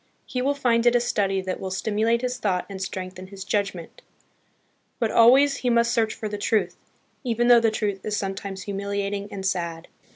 He will find it a study that will stimulate his thought and strengthen his judgment; but always he must search for the truth, even though the truth is sometimes humiliating and sad.